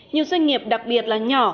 nhiều doanh nghiệp đặc biệt là nhỏ